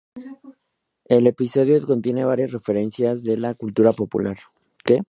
El episodio contiene varias referencias de la cultura popular.